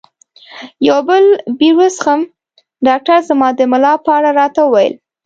یو بل بیر وڅښم؟ ډاکټر زما د ملا په اړه راته وویل.